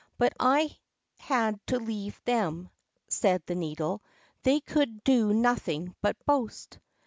But I had to leave them," said the Needle; "they could do nothing but boast."